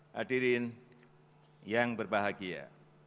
hadirin yang berbahagia